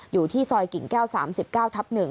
อยู่ที่ซอยกิ่งแก้ว๓๙ทับ๑